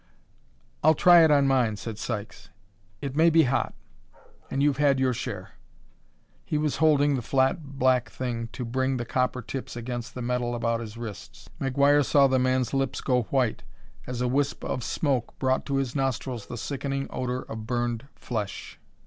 "I'll try it on mine," said Sykes. "It may be hot and you've had your share." He was holding the flat black thing to bring the copper tips against the metal about his wrists. McGuire saw the man's lips go white as a wisp of smoke brought to his nostrils the sickening odor of burned flesh.